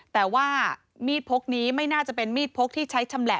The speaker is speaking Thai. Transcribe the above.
แต่ว่ามีดพกนี้ไม่น่าจะเป็นมีดพกที่ใช้ชำแหละ